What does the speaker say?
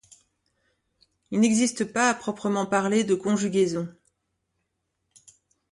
Il n'existe pas à proprement parler de conjugaison.